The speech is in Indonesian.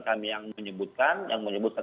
kami yang menyebutkan yang menyebutkan